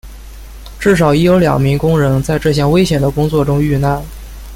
至少已有两名工人在这项危险的工作中遇难。